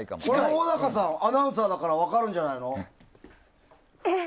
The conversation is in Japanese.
小高さん、アナウンサーだから分かるんじゃない？